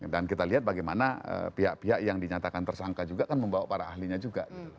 dan kita lihat bagaimana pihak pihak yang dinyatakan tersangka juga kan membawa para ahlinya juga